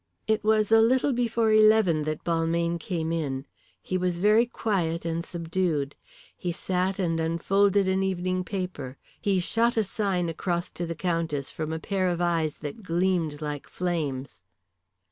It was a little before eleven that Balmayne came in. He was very quiet and subdued; he sat and unfolded an evening paper. He shot a sign across to the Countess from a pair of eyes that gleamed like flames.